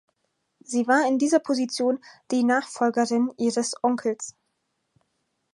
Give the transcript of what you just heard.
Sie war in dieser Position die Nachfolgerin ihres Onkels.